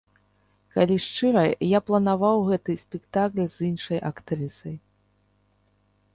Калі шчыра, я планаваў гэты спектакль з іншай актрысай.